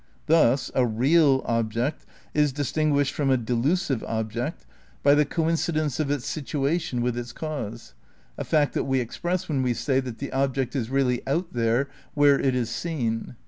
Thus, a "real" object is distinguished from a delusive object by the in THE CRITICAL PREPARATIONS 93 coincidence of its "situation" with its cause, a fact that we express when we say that the ohject is really out there where it is seen.